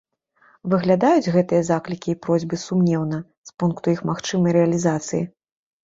Выглядаюць гэтыя заклікі і просьбы сумнеўна з пункту іх магчымай рэалізацыі.